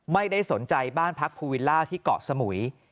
ไม่ได้สนใจบ้านพักภูวิลล่าที่เกาะสมุย